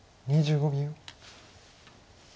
２５秒。